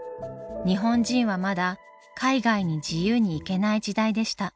日本人はまだ海外に自由に行けない時代でした。